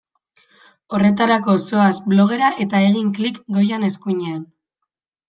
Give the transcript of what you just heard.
Horretarako zoaz blogera eta egin klik goian eskuinean.